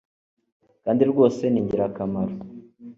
kandi rwose ni ingirakamaro